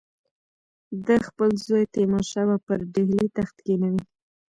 ده خپل زوی تیمورشاه به پر ډهلي تخت کښېنوي.